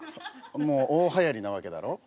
もう大はやりなわけだろ？